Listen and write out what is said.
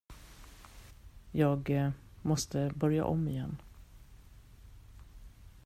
Jag måste börja om igen.